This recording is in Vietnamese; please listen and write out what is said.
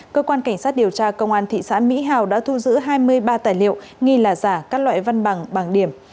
cơ quan cảnh sát điều tra công an thị xã mỹ hào đã thu giữ hai mươi ba tài liệu nghi là giả các loại văn bằng bằng điểm